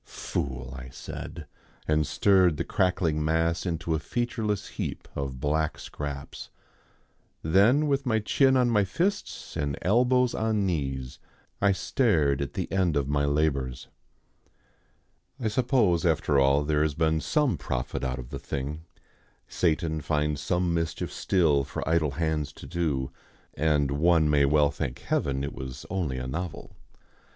"Fool!" I said, and stirred the crackling mass into a featureless heap of black scraps. Then with my chin on my fists and elbows on knees I stared at the end of my labours. I suppose, after all, there has been some profit out of the thing. Satan finds some mischief still for idle hands to do, and one may well thank Heaven it was only a novel.